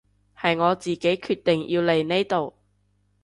係我自己決定要嚟呢度